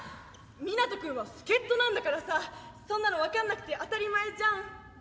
湊斗君は助っ人なんだからさそんなの分かんなくて当たり前じゃん。